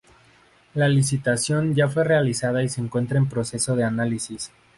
La licitación ya fue realizada y se encuentra en proceso de análisis.